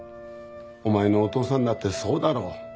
お前のお父さんだってそうだろう。